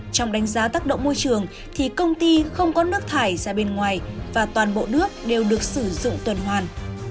trong đánh giá tác động môi trường thì công ty không có nước thải ra bên ngoài và toàn bộ nước đều được sử dụng tuần hoàn